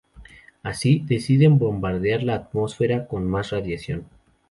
Así, deciden bombardear la atmósfera con más radiación.